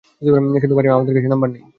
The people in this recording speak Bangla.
কিন্তু মারি, আমাদের কাছে নাম্বার নেই।